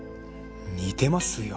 似てますよ。